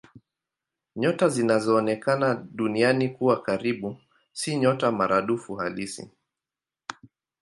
Nyota zinazoonekana Duniani kuwa karibu si nyota maradufu halisi.